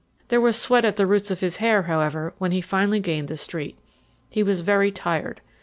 There was sweat at the roots of his hair, however, when he finally gained the street. He was very tired.